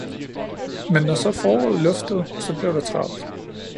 men når så foråret luftede, så blev der travlt.